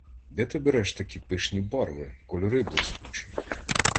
Де ти береш такі пишні барви, кольори блискучі?